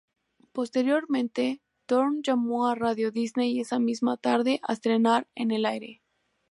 Posteriormente, Thorne llamó a Radio Disney esa misma tarde a estrenar en el aire.